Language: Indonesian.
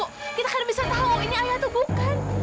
kita kan bisa tahu ini ayah atau bukan